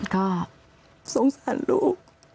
ก็สงสัยรู้